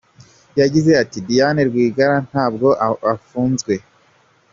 Yagize ati “Diane Rwigara ntabwo afunzwe.